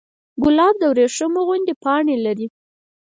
ګلاب د وریښمو غوندې پاڼې لري.